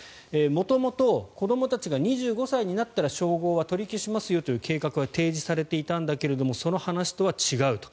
元々、子どもたちが２５歳になったら称号は取り消しますよという計画は提示されていたんだけれどその話とは違うと。